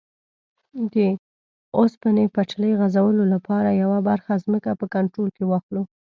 د اوسپنې پټلۍ غځولو لپاره یوه برخه ځمکه په کنټرول کې واخلو.